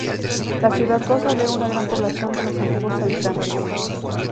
La ciudad goza de una gran población de los antiguos habitantes.